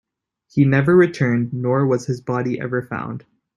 He never returned, nor was his body ever found.